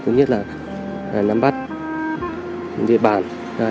cũng như là nắm bắt địa bàn